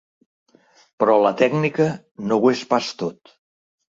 Però la tècnica no ho és pas tot.